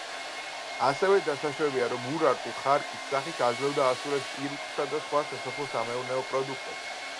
ასევე დასაშვებია, რომ ურარტუ ხარკის სახით აძლევდა ასურეთს პირუტყვსა და სხვა სასოფლო-სამეურნეო პროდუქტებს.